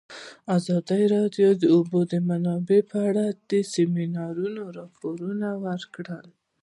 ازادي راډیو د د اوبو منابع په اړه د سیمینارونو راپورونه ورکړي.